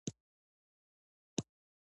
د بېوزلو خلکو لاسنیوی وکړئ.